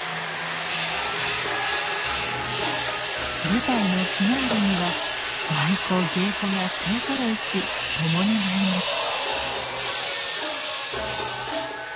舞台のフィナーレには舞妓芸妓が勢ぞろいし共に舞います。